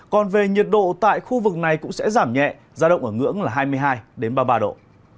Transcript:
còn về nhiệt độ tại khu vực này cũng sẽ giảm nhẹ gia động ở ngưỡng là hai mươi hai ba mươi ba độ